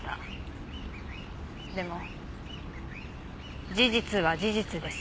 でも事実は事実です。